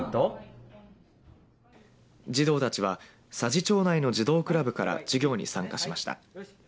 児童たちは佐治町内の児童クラブから授業に参加しました。